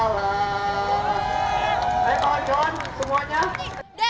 tepuk tangan semuanya